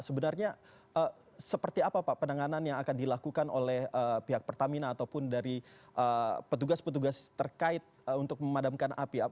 sebenarnya seperti apa pak penanganan yang akan dilakukan oleh pihak pertamina ataupun dari petugas petugas terkait untuk memadamkan api